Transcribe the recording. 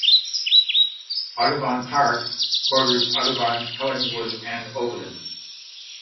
Audubon Park borders Audubon, Collingswood, and Oaklyn.